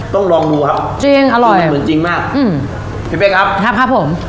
ต้องลองดูครับจริงอร่อยเหมือนจริงมากอืมพี่เป้งครับแฮปครับผม